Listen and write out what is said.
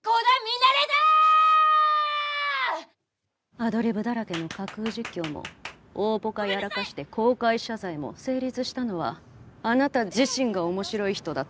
アドリブだらけの架空実況も大ポカやらかして公開謝罪も成立したのはあなた自身が面白い人だったから。